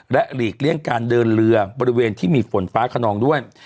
และหลีกเลี่ยงการเดินเรือบริเวณที่มีฝนฟ้าขนองด้วย